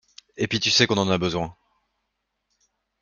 Et pis tu sais qu’on en a besoin.